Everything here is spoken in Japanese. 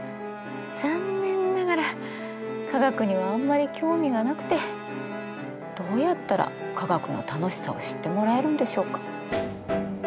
残念ながら科学にはあんまり興味がなくてどうやったら科学の楽しさを知ってもらえるんでしょうか。